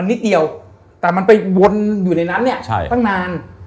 นิดเดียวแต่มันไปวนอยู่ในนั้นเนี่ยตั้งนาน